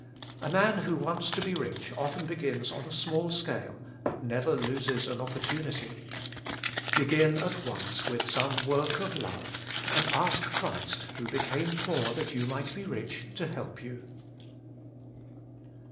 A man who Working for God 99 wants to be rich often begins on a small scale, but never loses an opportunity. Begin at once with some work of love, and ask Christ, who became poor, that yon might be rich, to help you.